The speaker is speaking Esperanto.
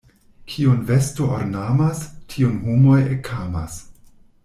Kiun vesto ornamas, tiun homoj ekamas.